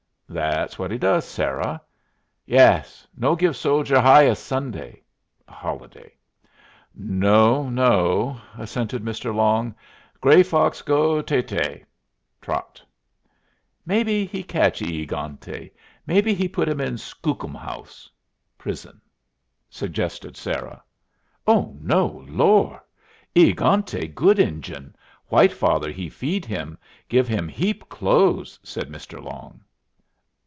"Thet's what he does, Sarah." "Yas. No give soldier hy as Sunday" (a holiday). "No, no," assented Mr. Long. "Gray Fox go téh téh" (trot). "Maybe he catch E egante, maybe put him in skookum house (prison)?" suggested Sarah. "Oh no! Lor'! E egante good Injun. White Father he feed him. Give him heap clothes," said Mr. Long.